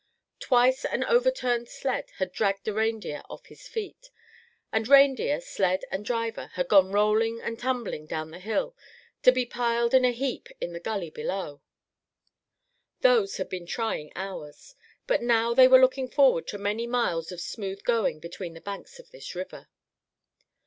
Twice an overturned sled had dragged a reindeer off his feet, and reindeer, sled and driver had gone rolling and tumbling down the hill to be piled in a heap in the gully below. Those had been trying hours; but now they were looking forward to many miles of smooth going between the banks of this river.